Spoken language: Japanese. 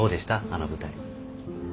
あの舞台。